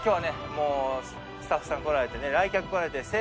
もうスタッフさん来られてね来客来られてせーの。